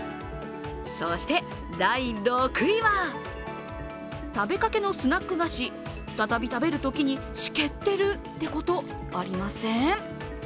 そして第６位は、食べかけのスナック菓子再び食べるときにしけってるってこと、ありません？